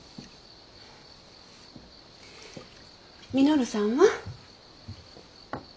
稔さんは？